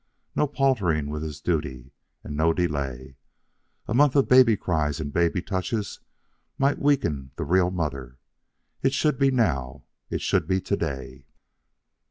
No paltering with this duty, and no delay. A month of baby cries and baby touches might weaken the real mother. It should be now. It should be to day.